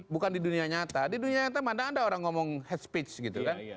bukan di dunia nyata di dunia nyata mana ada orang ngomong hate speech gitu kan